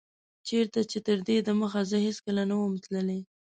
چيرته چي تر دي دمخه زه هيڅکله نه وم تللی